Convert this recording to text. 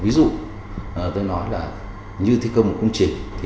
ví dụ tôi nói là như thi công một công trình